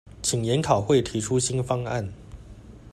請研考會提出新方案